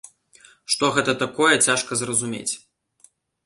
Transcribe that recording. Што гэта такое, цяжка зразумець.